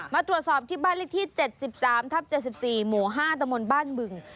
มาตรวจสอบที่บ้านเลขที่๗๓ทับ๗๔หมู่๕ตะมนต์บ้านบึง